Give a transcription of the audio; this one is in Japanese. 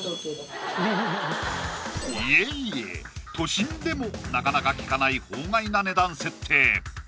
いえいえ都心でもなかなか聞かない法外な値段設定